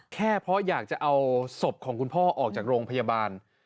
แค่เพราะอยากจะเอาศพของคุณพ่อออกจากโรงพยาบาล